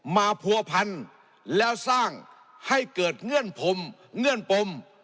ผัวพันแล้วสร้างให้เกิดเงื่อนปมเงื่อนปม